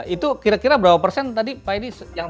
itu kira kira berapa persen tadi pak edi